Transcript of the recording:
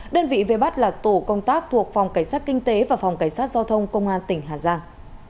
đơn vị về bắt là tổ công tác thuộc phòng cảnh sát kinh tế và phòng cảnh sát giao thông công an tỉnh hà giang